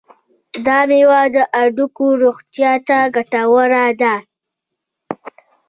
دا میوه د هډوکو روغتیا ته ګټوره ده.